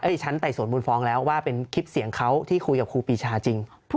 ที่ชั้นไต่สวนมูลฟ้องแล้วว่าเป็นคลิปเสียงเขาที่คุยกับครูปีชาจริง